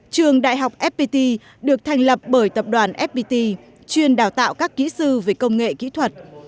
trường đại học fpt được thành lập bởi tập đoàn fpt chuyên đào tạo các kỹ sư về công nghệ kỹ thuật